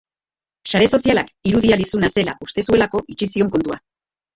Sare sozialak irudia lizuna zela uste zuelako itxi zion kontua.